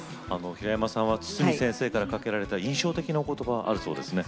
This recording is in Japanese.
平山さんは筒美先生からかけられた印象的なお言葉あるそうですね。